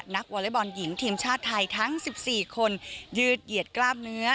วอเล็กบอลหญิงทีมชาติไทยทั้ง๑๔คนยืดเหยียดกล้ามเนื้อ